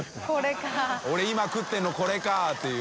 俺今食ってるのこれか」ていう。